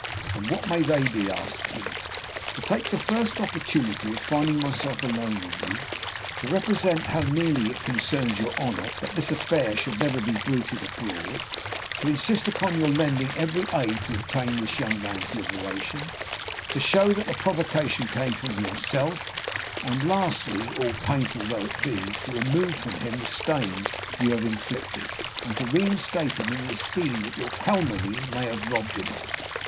"And what may they be?" asked he. "To take the first opportunity of finding myself alone with you, to represent how nearly it concerns your honor that this affair should never be bruited abroad; to insist upon your lending every aid to obtain this young man's liberation; to show that the provocation came from yourself; and, lastly, all painful though it be, to remove from him the stain you have inflicted, and to reinstate him in the esteem that your calumny may have robbed him of.